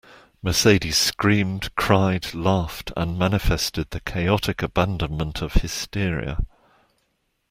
Mercedes screamed, cried, laughed, and manifested the chaotic abandonment of hysteria.